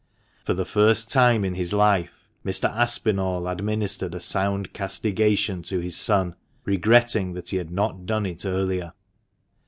For the first time in his life Mr. Aspinall administered a sound castigation to his son, regretting that he had not done it earlier.